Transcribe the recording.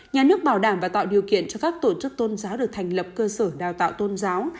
nhà nước bảo đảm và tạo điều kiện cho các tổ chức tôn giáo được thành lập cơ sở đào tạo tôn giáo